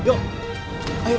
tadi perasaan kesini deh